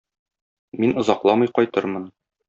Мин озакламый кайтырмын...